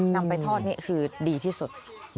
นำไปทอดนี่คือดีที่สุด